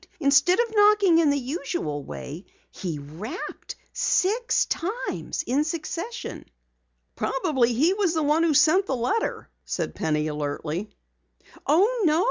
Instead of knocking in the usual way, he rapped six times in succession!" "Probably he was the one who sent the letter," said Penny alertly. "Oh, no!